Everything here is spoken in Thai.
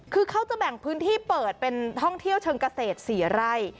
คือเขาจะแบ่งพื้นที่เปิดเป็นท่องเที่ยวเชิงเกษตร๔ไร่